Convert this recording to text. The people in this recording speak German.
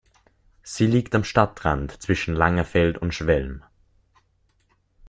Sie liegt am Stadtrand zwischen Langerfeld und Schwelm.